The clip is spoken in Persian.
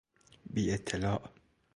بی اطلاع